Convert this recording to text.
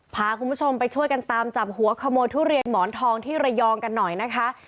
พาคุณผู้ชมไปช่วยกันตามจับหัวขโมยทุเรียนหมอนทองที่ระยองกันหน่อยนะคะ